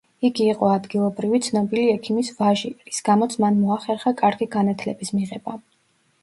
იგი იყო ადგილობრივი, ცნობილი ექიმის ვაჟი, რის გამოც მან მოახერხა კარგი განათლების მიღება.